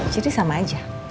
jadi sama aja